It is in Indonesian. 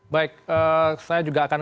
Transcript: baik saya juga akan